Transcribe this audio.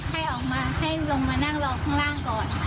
ให้ออกมาให้ลงมานั่งรอข้างล่างก่อน